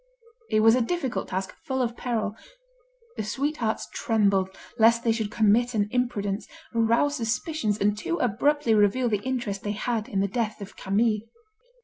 It was a difficult task, full of peril. The sweethearts trembled lest they should commit an imprudence, arouse suspicions, and too abruptly reveal the interest they had in the death of Camille.